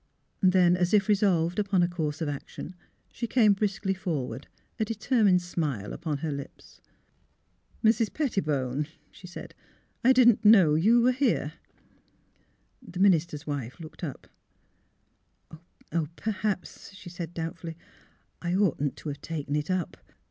Then, as if resolved upon a course of action, she came briskly forward, a determined smile upon her lips. '' Mrs. Pettibone !'' she said, '^ 1 didn 't know you were here." The minister's wife looked up. " Perhaps," she said, doubtfully, " I oughtn't to have taken it up."